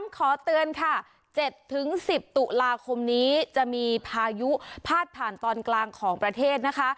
ขอเตือนค่ะ๗๑๐ตุลาคมนี้จะมีพายุพาดผ่านตอนกลางของประเทศนะคะ